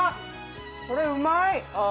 これうまい！